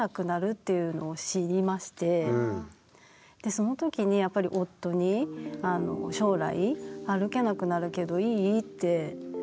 その時にやっぱり夫に「将来歩けなくなるけどいい？」って確認をして。